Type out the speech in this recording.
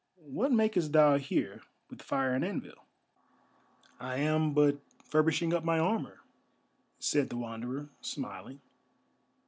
"What makest thou here with fire and anvil?" "I am but furbishing up my armour," said the Wanderer, smiling.